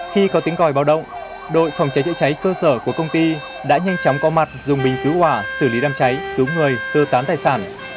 khi có tiếng gọi báo động đội phòng cháy chữa cháy cơ sở của công ty đã nhanh chóng có mặt dùng bình cứu quả xử lý đam cháy cứu người sơ tán tài sản